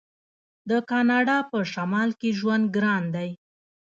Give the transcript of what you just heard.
د کاناډا په شمال کې ژوند ګران دی.